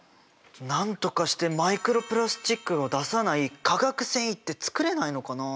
なんとかしてマイクロプラスチックを出さない化学繊維って作れないのかな？